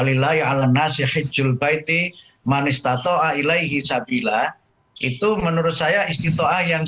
itu menurut saya isti to'ah yang